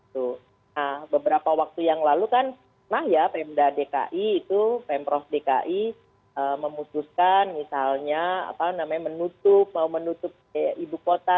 nah beberapa waktu yang lalu kan mah ya pemda dki itu pemprov dki memutuskan misalnya apa namanya menutup mau menutup ibu kota